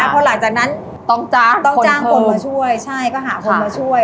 พอหลังจากนั้นต้องจ้างคนมาช่วยใช่ก็หาคนมาช่วย